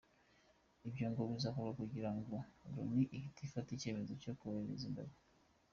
Ibyo ngo bizakorwa kugirango Loni ihite ifata icyemezo cyo koherezayo ingabo.